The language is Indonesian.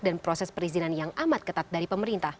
dan proses perizinan yang amat ketat dari pemerintah